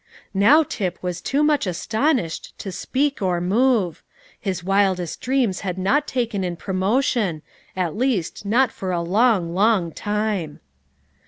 Now Tip was too much astonished to speak or move; his wildest dreams had not taken in promotion, at least not for a long, long time.